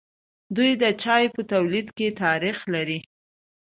دوی د چای په تولید کې تاریخ لري.